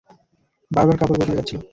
বারবার কাপড় বদলে যাচ্ছিল।